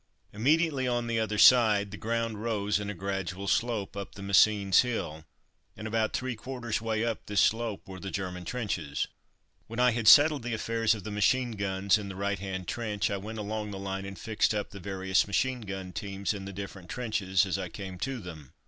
Immediately on the other side the ground rose in a gradual slope up the Messines hill, and about three quarters way up this slope were the German trenches. When I had settled the affairs of the machine guns in the right hand trench I went along the line and fixed up the various machine gun teams in the different trenches as I came to them.